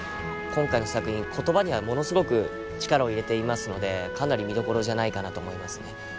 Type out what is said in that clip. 今回の作品言葉にはものすごく力を入れていますのでかなり見どころじゃないかなと思いますね。